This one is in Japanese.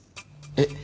えっ？